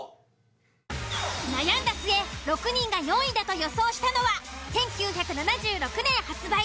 悩んだ末６人が４位だと予想したのは１９７６年発売